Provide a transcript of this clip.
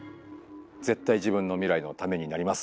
絶対自分の未来のためになります。